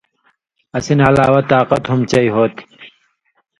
اسی نہ علاوہ طاقت ہُم چئ ہوتھی۔